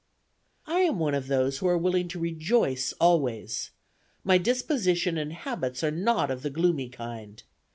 I am one of those who are willing to rejoice always. My disposition and habits are not of the gloomy kind.